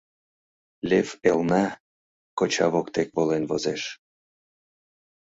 Лев элна, коча воктек волен возеш.